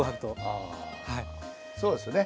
ああそうですね。